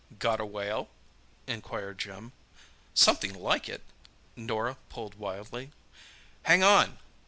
"Got a whale?" inquired Jim. "Something like it!" Norah pulled wildly. "Hang on!"